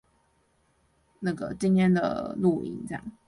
民視數位媒體總部